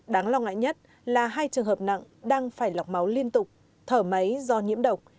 đáng lo ngại nhất là hai trường hợp nặng đang phải lọc máu liên tục thở máy do nhiễm độc